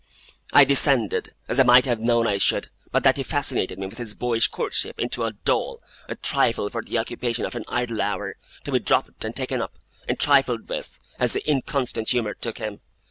'I descended as I might have known I should, but that he fascinated me with his boyish courtship into a doll, a trifle for the occupation of an idle hour, to be dropped, and taken up, and trifled with, as the inconstant humour took him.